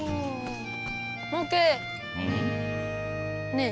ねえ。